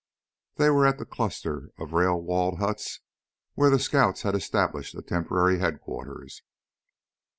They were at the cluster of rail walled huts where the scouts had established a temporary headquarters.